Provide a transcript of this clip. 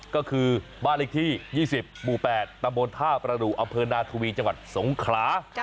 ก็คือบ้านเลขที่๒๐หมู่๘ตำบลท่าประดูกอำเภอนาทวีจังหวัดสงขลา